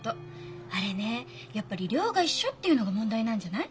あれねやっぱり寮が一緒っていうのが問題なんじゃない？